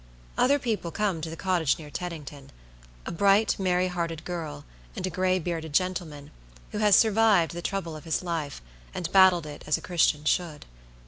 Other people come to the cottage near Teddington. A bright, merry hearted girl, and a gray bearded gentleman, who has survived the trouble of his life, and battled with it as a Christian should.